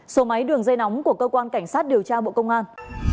số máy đường dây nóng của cơ quan cảnh sát điều tra bộ công an